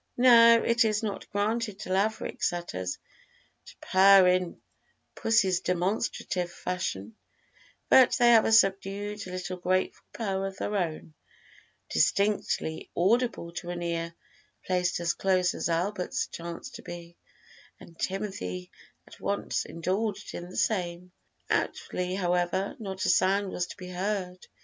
Now, it is not granted to Laverick setters to purr in pussy's demonstrative fashion, but they have a subdued little grateful purr of their own, distinctly audible to an ear placed as close as Albert's chanced to be, and Timothy at once indulged in the same. Outwardly, however, not a sound was to be heard.